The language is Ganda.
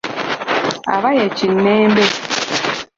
Aba ye kinnembe.